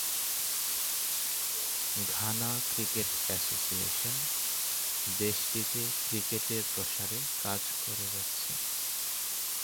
Ghana cricket association দেশটিতে ক্রিকেটের প্রসারে কাজ করে যাচ্ছে।